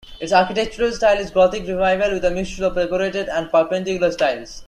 Its architectural style is Gothic Revival, with a mixture of Decorated and Perpendicular styles.